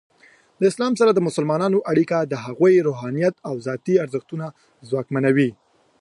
د اسلام سره د مسلمانانو اړیکه د هغوی روحانیت او ذاتی ارزښتونه ځواکمنوي.